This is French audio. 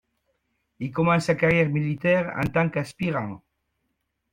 Il commence sa carrière militaire en tant qu'aspirant.